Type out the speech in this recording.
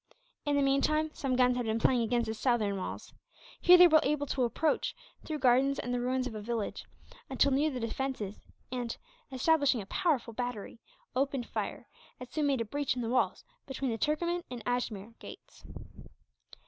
In the meantime, some guns had been playing against the southern walls. Here they were able to approach, through gardens and the ruins of a village, until near the defences and, establishing a powerful battery, opened fire, and soon made a breach in the walls between the Turkoman and Ajmere gates.